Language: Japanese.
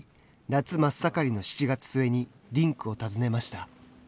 夏真っ盛りの７月末にリンクを訪ねました。